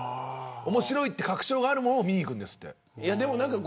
面白いって確証があるものを見に行くんですって。